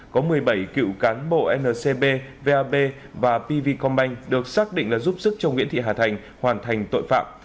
có một mươi bảy cựu cán bộ ncb vab và pv combine được xác định là giúp sức cho nguyễn thị hà thành hoàn thành tội phạm